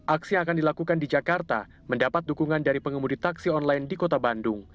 aksi yang akan dilakukan di jakarta mendapat dukungan dari pengemudi taksi online di kota bandung